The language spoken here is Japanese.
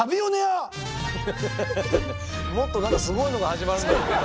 もっと何かすごいのが始まるんだと。